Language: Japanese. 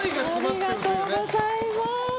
ありがとうございます。